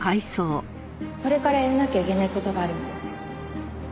これからやらなきゃいけない事があるんで。